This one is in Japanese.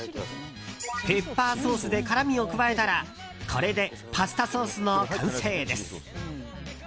ペッパーソースで辛みを加えたらこれでパスタソースの完成です。